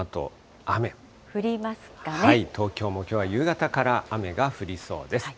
東京もきょうは夕方から雨が降りそうです。